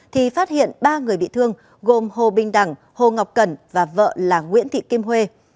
thì phát hiện ba người bị thương gồm hồ bình đẳng hồ ngọc cẩn và vợ là nguyễn thị kim huê